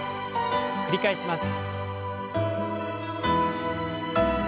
繰り返します。